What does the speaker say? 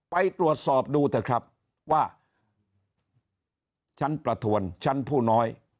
ไปตรวจสอบดูเถอะครับว่าชั้นประทวนชั้นผู้น้อย